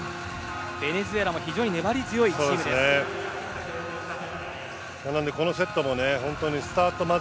ベネズエラも非常に粘り強いチームです。